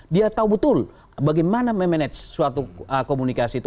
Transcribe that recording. dia tahu betul bagaimana memanage suatu komunikasi itu